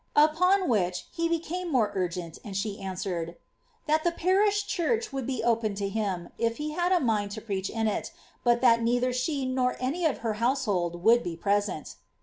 ^' Upon which he be came more urgent, and she answered— ^ That the parish church would be open to him, if he had a mind lo preach in it ; but that neither she nor any of her household would be present."